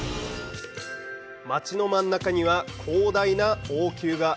街の真ん中には、広大な王宮が。